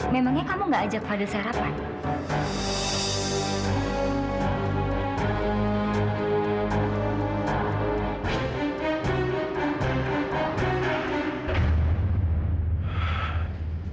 memangnya kamu nggak ajak fadil sarapan